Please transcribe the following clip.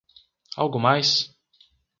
Algo mais?